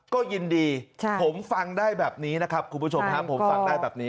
ก็ยินดีผมฟังได้แบบนี้นะครับคุณผู้ชมครับ